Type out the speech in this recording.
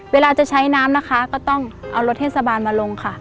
เวลาจะใช้น้ำนะคะก็ต้องเอารถเทศบาลมาลงค่ะ